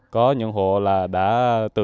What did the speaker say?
có những hộ là đã tự do